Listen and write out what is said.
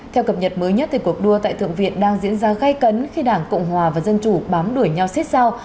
theo cập nhật mới nhất cuộc đua tại thượng viện đang diễn ra gây cấn khi đảng cộng hòa và dân chủ bám đuổi nhau xếp sau